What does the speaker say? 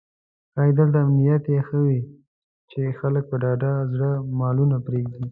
ښایي دلته امنیت یې ښه وي چې خلک په ډاډه زړه مالونه پرېږدي.